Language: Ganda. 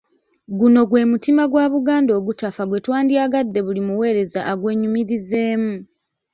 Guno gwe mutima gwa Buganda ogutafa gwe twandyagadde buli muweereza agwenyumirizeemu .